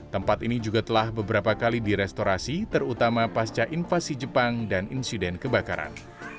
tempat ini juga telah beberapa kali direstorasi terutama pasca invasi jepang dan insiden kebakaran